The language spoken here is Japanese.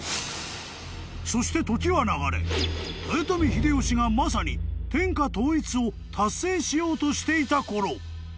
［そして時は流れ豊臣秀吉がまさに天下統一を達成しようとしていたころ］